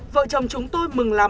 vợ chồng chúng tôi mừng lắm